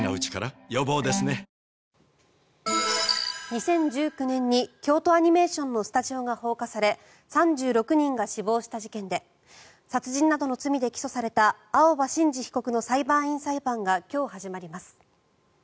２０１９年に京都アニメーションのスタジオが放火され３６人が死亡した事件で殺人などの罪で起訴された青葉真司被告の裁判員裁判が今日、始まります。